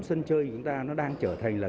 sân chơi chúng ta nó đang trở thành là